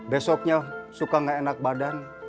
besoknya suka gak enak badan